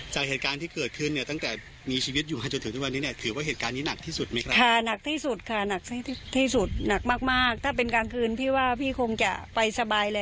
จากเหตุการณ์ที่เกิดขึ้นเนี่ยตั้งแต่มีชีวิตอยู่ให้จนถึงทุกวันนี้เนี่ยถือว่าเหตุการณ์นี้หนักที่สุดไหมครับ